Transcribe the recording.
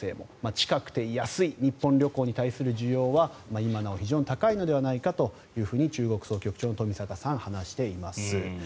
近くて安い日本旅行に対する需要は今なお非常に高いのではないかというふうに中国総局長の冨坂さんは話しています。